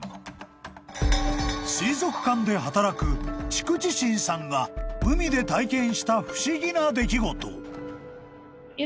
［水族館で働く築地新さんが海で体験した不思議な出来事］